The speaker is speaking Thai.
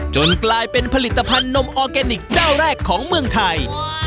กลายเป็นผลิตภัณฑ์นมออร์แกนิคเจ้าแรกของเมืองไทย